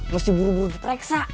mesti buru buru diperiksa